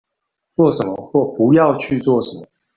做什麼或不要去做什麼